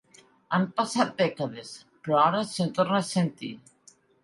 Han passat dècades, però ara se'n torna a sentir.